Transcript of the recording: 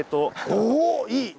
おぉいい！